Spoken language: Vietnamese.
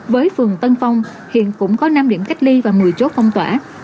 với phường tân phong hiện cũng có năm điểm cách ly và một mươi chốt phong tỏa